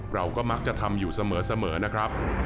เราก็มักจะทำอยู่เสมอนะครับ